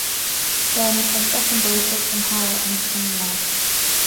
Then, a second ball hit him higher in the same leg.